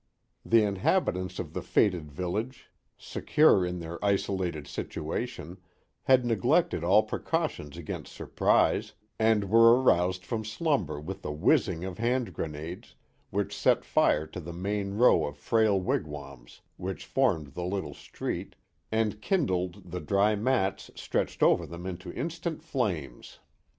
The inhabitants of the fated village, secure in their isolated Count Frontenac and the Mohawk Valley 109 situation, had neglected all precautions against surprise, and were aroused from slumber with the whizzing of hand gre nades, which set fire to the main row of frail wigwams which formed the little street, and kindled the dry mats stretched over them into instant flames.